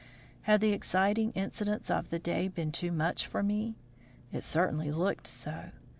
Had the exciting incidents of the day been too much for me? It certainly looked so.